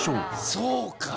そうか！